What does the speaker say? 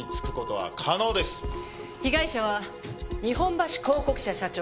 被害者は日本橋広告社社長